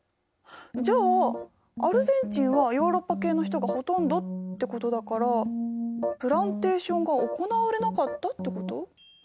じゃあアルゼンチンはヨーロッパ系の人がほとんどってことだからプランテーションが行われなかったってこと？